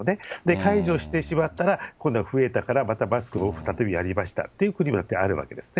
解除してしまったら、今度は増えたからまたをやるというあるわけですね。